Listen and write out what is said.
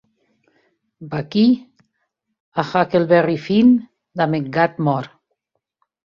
Vaquí a Huckleberry Finn damb eth gat mòrt.